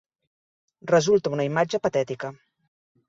Resulta una imatge patètica.